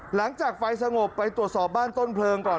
หลังจากไฟสงบไปตรวจสอบบ้านต้นเพลิงก่อน